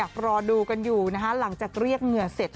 รอดูกันอยู่นะคะหลังจากเรียกเหงื่อเสร็จ